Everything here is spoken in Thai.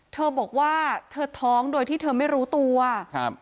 เธอบอกว่าเธอท้องโดยที่เธอไม่รู้ตัวครับ